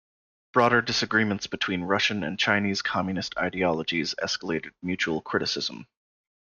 Broader disagreements between Russian and Chinese communist ideologies escalated mutual criticism.